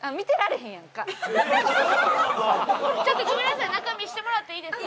ちょっとごめんなさい中見せてもらっていいですか？